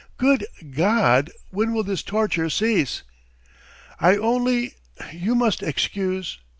Good God! when will this torture cease!" "I only ... you must excuse